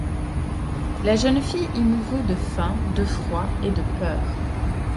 La jeune fille y mourut de faim, de froid et de peur.